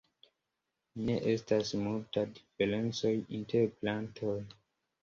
Ne estas multa diferencoj inter plantoj.